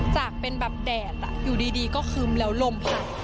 จากเป็นแบบแดดอยู่ดีก็คึ้มแล้วลมพัด